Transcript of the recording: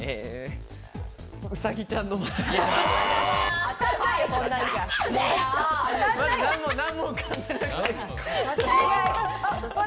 うさぎちゃんのまな板。